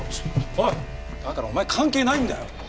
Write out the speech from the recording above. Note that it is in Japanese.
だからお前関係ないんだよ！